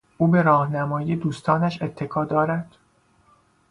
او به راهنمایی دوستانش اتکا دارد.